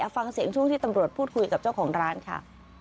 ฟังเสียงช่วงที่ตำรวจพูดคุยกับเจ้าของร้านค่ะ